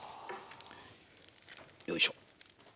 よいしょ。